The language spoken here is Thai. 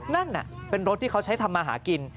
นั่นเป็นรถที่เขาใช้ทำมาหากิน